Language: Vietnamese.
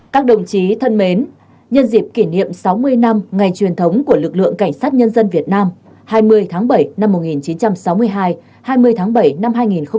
các đồng chí thân mến nhân dịp kỷ niệm sáu mươi năm ngày truyền thống của lực lượng cảnh sát nhân dân việt nam hai mươi tháng bảy năm một nghìn chín trăm sáu mươi hai hai mươi tháng bảy năm hai nghìn hai mươi